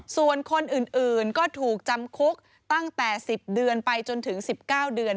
ส่วนคนอื่นก็ถูกจำคุกตั้งแต่๑๐เดือนไปจนถึง๑๙เดือน